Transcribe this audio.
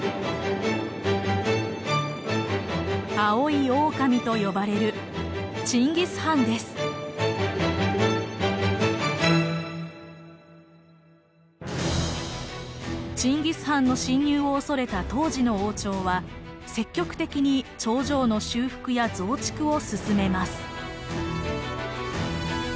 蒼い狼と呼ばれるチンギス・ハンの侵入を恐れた当時の王朝は積極的に長城の修復や増築を進めます。